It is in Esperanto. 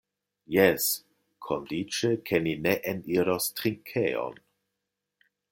Jes, kondiĉe, ke ni ne eniros trinkejon.